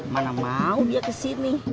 mana mau dia kesini